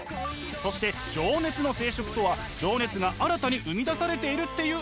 そして情熱の生殖とは情熱が新たに生み出されているっていう意味。